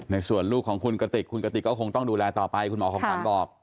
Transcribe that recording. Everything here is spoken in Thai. ส่วนลูกของคุณกติกคุณกติกก็คงต้องดูแลต่อไปคุณหมอของขวัญบอก